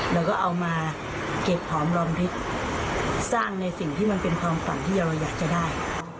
เราก็เอามาเก็บหอมรอมพริกสร้างในสิ่งที่มันเป็นความฝันที่เราอยากจะได้